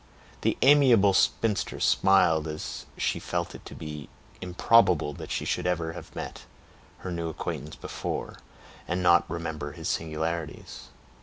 The amiable spinster smiled as she felt it to be improbable that she should ever have met her new acquaintance before, and not remember his singularities.